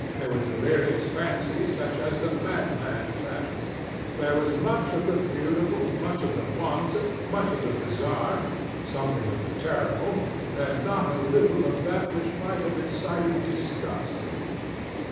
There were delirious fancies such as the madman fashions. There was much of the beautiful, much of the wanton, much of the bizarre, something of the terrible, and not a little of that which might have excited disgust.